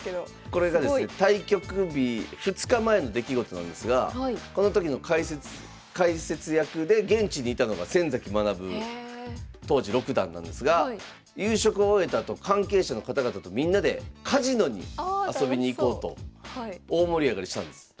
これがですね対局日２日前の出来事なんですがこの時の解説役で現地にいたのが先崎学当時六段なんですが夕食を終えたあと関係者の方々とみんなでカジノに遊びに行こうと大盛り上がりしたんです。